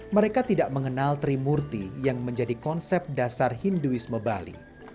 mereka tidak mengenal trimurti yang menjadi konsep dasar hinduisme bali